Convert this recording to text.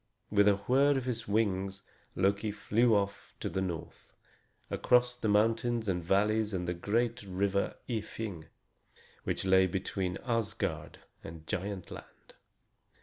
With a whirr of his wings Loki flew off to the north, across mountains and valleys and the great river Ifing, which lay between Asgard and Giant Land.